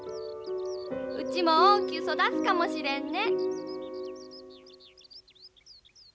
うちも大きゅう育つかもしれんね。